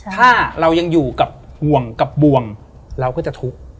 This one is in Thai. ถ้าเรายังอยู่กับห่วงกับบ่วงเราก็จะทุกข์